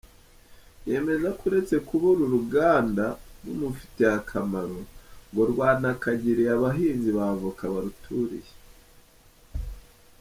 Yemeza ko uretse kuba uru ruganda rumufitiye akamaro, ngo rwanakagiriye abahinzi ba avoka baruturiye.